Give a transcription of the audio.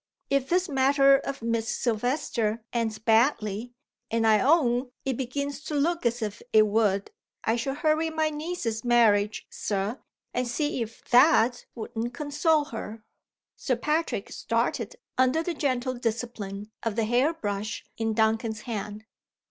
If this matter of Miss Silvester ends badly and I own it begins to look as if it would I should hurry my niece's marriage, Sir, and see if that wouldn't console her." Sir Patrick started under the gentle discipline of the hair brush in Duncan's hand.